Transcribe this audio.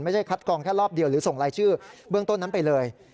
คัดกองแค่รอบเดียวหรือส่งรายชื่อเบื้องต้นนั้นไปเลย